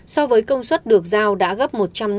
so với công suất được giao đã gấp một trăm năm mươi